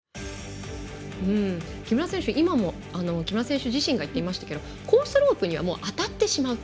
木村選手、今も木村選手自身が言っていましたがコースロープにはもう当たってしまうと。